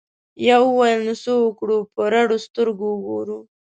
یوه وویل نو څه وکړو په رډو سترګو وګورو؟